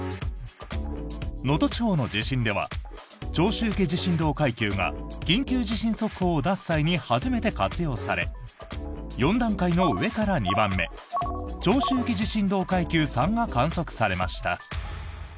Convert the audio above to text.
能登地方の地震では長周期地震動階級が緊急地震速報を出す際に初めて活用され４段階の上から２番目長周期地震動階級３が観測されました。